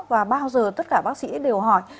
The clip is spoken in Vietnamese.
và bao giờ tất cả bác sĩ đều hỏi